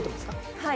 はい！